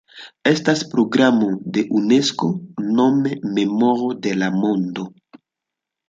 Estas programo de Unesko nome Memoro de la Mondo.